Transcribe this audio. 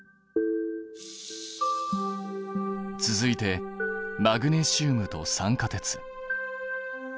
続いてマグネシウムと酸化鉄。